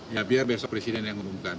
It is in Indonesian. ya biar besok presiden yang mengumumkan